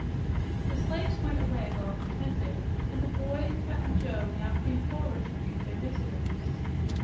The slaves went away well contented, and the boy and Cap'n Joe now came forward to greet their visitors.